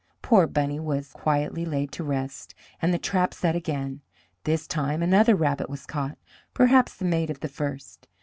Poor Bunny was quietly laid to rest, and the trap set again. This time another rabbit was caught, perhaps the mate of the first.